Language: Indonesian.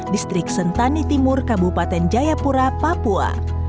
distrik sentani timur kabupaten jayapura papua